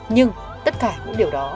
nhưng tất cả những điều đó